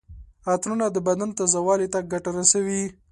عطرونه د بدن تازه والي ته ګټه رسوي.